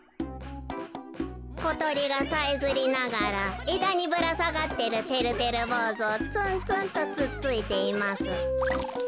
「ことりがさえずりながらえだにぶらさがってるてるてるぼうずをつんつんとつっついています」。